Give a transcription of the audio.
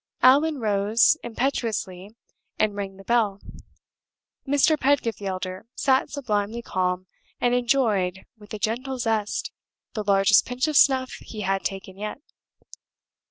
Allan rose impetuously and rang the bell. Mr. Pedgift the elder sat sublimely calm, and enjoyed, with a gentle zest, the largest pinch of snuff he had taken yet.